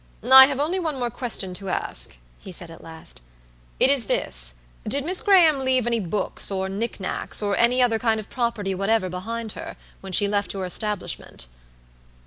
"I have only one more question to ask," he said at last. "It is this: Did Miss Graham leave any books or knick knacks, or any other kind of property whatever, behind her, when she left your establishment?"